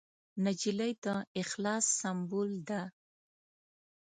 نجلۍ د اخلاص سمبول ده.